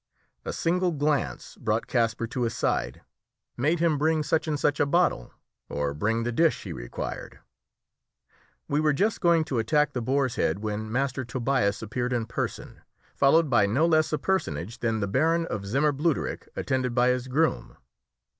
A single glance brought Kasper to his side, made him bring such and such a bottle, or bring the dish he required. We were just going to attack the boar's head when Master Tobias appeared in person, followed by no less a personage than the Baron of Zimmer Bluderich, attended by his groom.